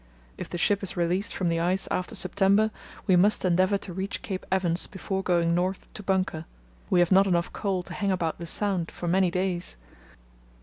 If the ship is released from the ice after September we must endeavour to reach Cape Evans before going north to bunker. We have not enough coal to hang about the Sound for many days.